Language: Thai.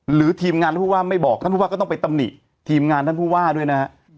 หรือทีมงานว่าไม่บอกก็ต้องไปตำนิทีมงานท่านผู้ว่าด้วยนะ